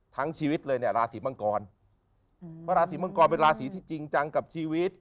ชีวิตเลยเนี่ยราศีมังกรเพราะราศีมังกรเป็นราศีที่จริงจังกับชีวิต